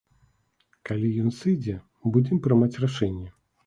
Калі ён сыдзе, будзем прымаць рашэнне.